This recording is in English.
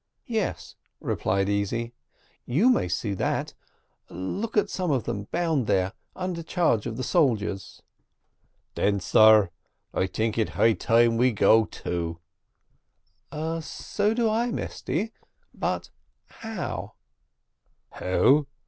"Yes," replied Easy, "you may see that; look at some of them bound there, under charge of the soldiers." "Den, sar, I tink it high time we go too." "So do I, Mesty; but how?" "How?